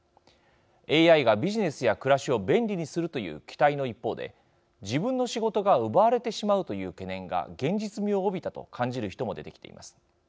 ＡＩがビジネスや暮らしを便利にするという期待の一方で自分の仕事が奪われてしまうという懸念が現実味を帯びたと感じる人も出てきています。